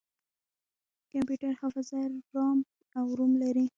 کمپیوټر حافظه رام او روم لري.